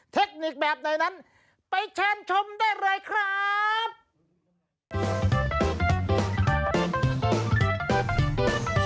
เทคนิคแบบไหนนั้นไปเชิญชมได้เลยครับ